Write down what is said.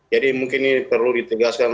jadi mungkin ini perlu ditinggalkan